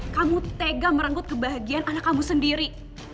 kamu tega merenggut kebahagiaan anak kamu sendiri